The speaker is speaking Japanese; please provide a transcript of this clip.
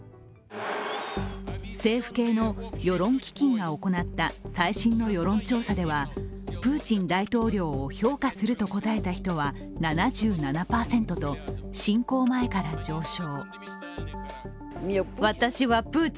政府系の世論基金が行った最新の世論調査ではプーチン大統領を評価すると答えた人は７７％と侵攻前から上昇。